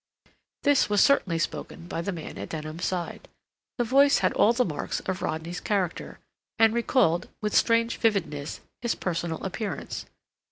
This was certainly spoken by the man at Denham's side. The voice had all the marks of Rodney's character, and recalled, with; strange vividness, his personal appearance.